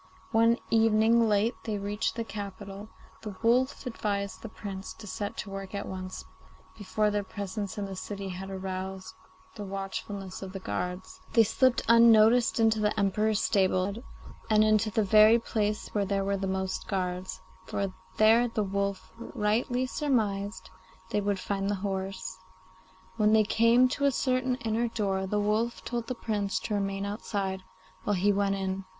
One evening late they reached the capital, and the wolf advised the Prince to set to work at once, before their presence in the city had aroused the watchfulness of the guards. They slipped unnoticed into the Emperor's stables and into the very place where there were the most guards, for there the wolf rightly surmised they would find the horse. When they came to a certain inner door the wolf told the Prince to remain outside, while he went in.